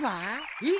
えっ！？